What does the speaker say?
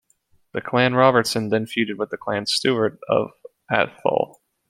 The Clan Robertson then feuded with the Clan Stewart of Atholl.